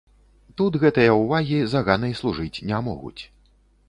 Тут гэтыя ўвагі заганай служыць не могуць.